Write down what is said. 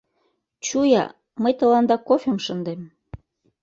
Чу-я, мый тыланда кофем шындем.